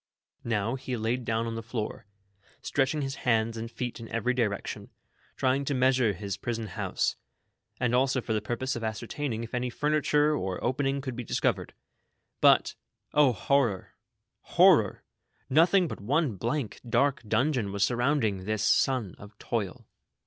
Now he laid down on the floor, stretching his hands and feet in every direction, trying to measure his prison house, and also for the purpose of ascertaining if any furniture or opening could be discovered ; but, O, horror ! horror ! nothing but one blank, dark dungeon was surrounding this son of toil.